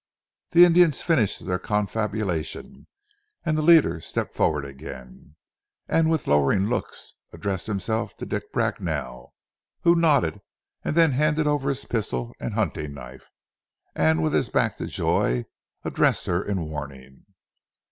The Indians finished their confabulation and the leader stepped forward again, and with lowering looks addressed himself to Dick Bracknell, who nodded and then handed over his pistol and hunting knife, and with his back to Joy addressed her in warning.